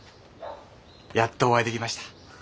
やっとお会いできました。